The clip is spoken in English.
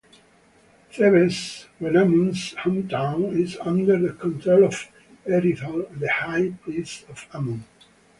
Thebes, Wenamun's hometown, is under the control of Herihor--the High Priest of Amon.